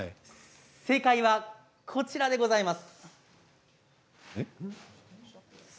正解はこちらでございます。